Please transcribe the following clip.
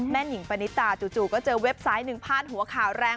หนิงปณิตาจู่ก็เจอเว็บไซต์หนึ่งพาดหัวข่าวแรง